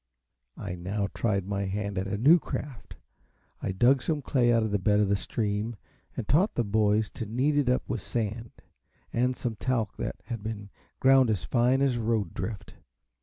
I now tried my hand at a new craft. I dug some clay out of the bed of the stream, and taught the boys to knead it up with sand, and some talc that had been ground as fine as road drift.